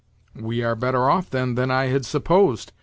"We are better off, then, than I had supposed.